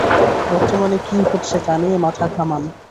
বর্তমানে কী ঘটছে তা নিয়ে মাথা ঘামান।